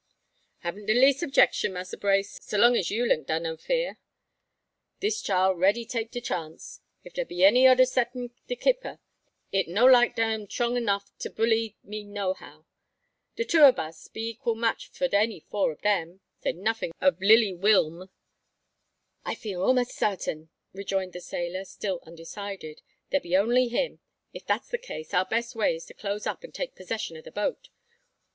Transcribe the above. "Haben't de leas' objecshun, Massa Brace, so long you link dar no fear. Dis chile ready take de chance. If dar be any odder cep'n de 'kipper, it no like dey am 'trong 'nuff to bully we nohow. De two ob us be equal match fo' any four ob dem, say nuffin ob lilly Will'm." "I feel a'most sartin," rejoined the sailor, still undecided, "there be only him. If that's the case, our best way is to close up, and take possession o' the boat.